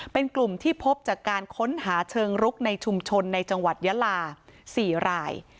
เป็นกลุ่มที่พบจากการค้นหาเชิงรุกในชุมชนในจังหวัดยาลา๔ราย